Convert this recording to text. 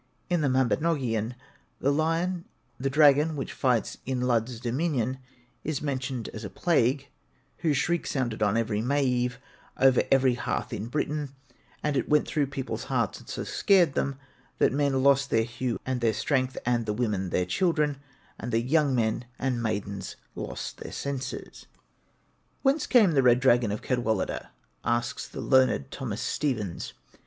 In the 'Mabinogion,' the dragon which fights in Lludd's dominion is mentioned as a plague, whose shriek sounded on every May eve over every hearth in Britain; and it 'went through people's hearts, and so scared them, that the men lost their hue and their strength, and the women their children, and the young men and maidens lost their senses.' 'Whence came the red dragon of Cadwaladr?' asks the learned Thomas Stephens.